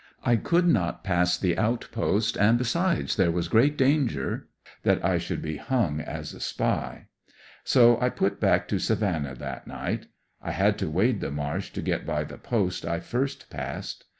I could not pass the outpost, and besides, there was great danger that I should be hung as a spy. So I put back to Savannah that night. I had to wade the marsh to get by the post I first passed.